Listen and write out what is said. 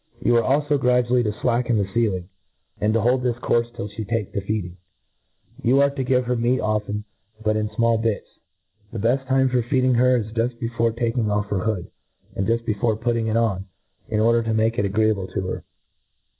You are alfo gradually to fl^ckcn the fieling^ and to hold this courfe till flie take to feeding. You are to give her meat often, but in fmall bits j . and the beft time for feeding her is juft before taking off her hood, and juft before putting it pn, in order to make it agreeable to her.